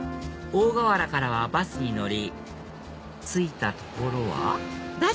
大河原からはバスに乗り着いた所は？